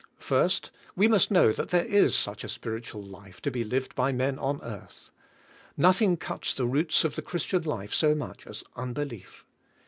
First, we must know that there is such a spirit ual life to be lived by men on earth. Nothing cuts the roots of the Christian life so much as unbelief.